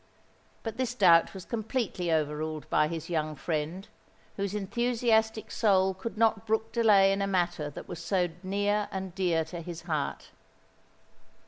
But this doubt was completely over ruled by his young friend, whose enthusiastic soul could not brook delay in a matter that was so near and dear to his heart.